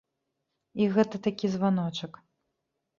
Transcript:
І гэта такі званочак.